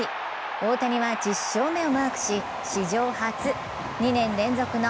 大谷は１０勝目をマークし史上初、２年連続の